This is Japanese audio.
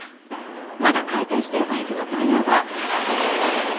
まだ回転してるバイクのタイヤが。